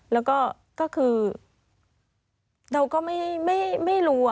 แล้วก็ก็คือเราก็ไม่รู้